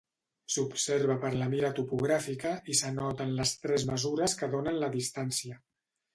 S'observa per la mira topogràfica i s'anoten les tres mesures que donen la distància.